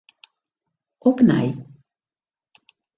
Opnij.